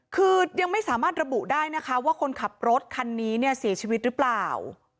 คือยังไม่สามารถระบุได้ว่าคนขับรถรถคันนี้เสียชีวิตรึเปล่า